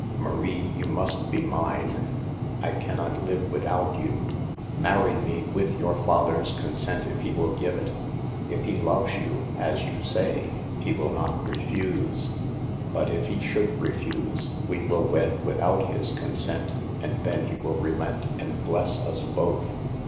"Marie, you must be mine. I can not live without you. Marry me, with your father's consent if he will give it. If he loves you, as you say, he will not refuse. But if he should THE EVILS OF DANCING. 69 refuse, we will wed without his consent, and then he will relent and bless us both.